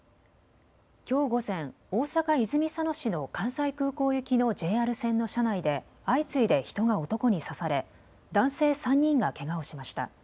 きょう午前、大阪泉佐野市の関西空港行きのＪＲ線の車内で相次いで人が男に刺され男性３人がけがをしました。